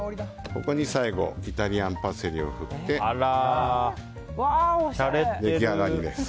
最後にイタリアンパセリを振って出来上がりです。